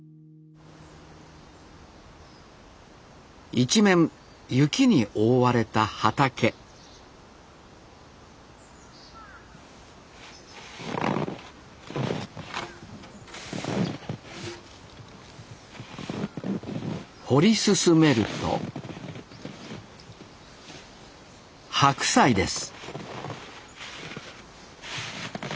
一面雪に覆われた畑掘り進めると白菜です